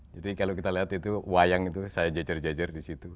jadi kalau kita lihat itu wayang itu saya jejer jejer di situ